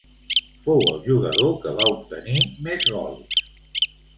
Fou el jugador que va obtenir més gols.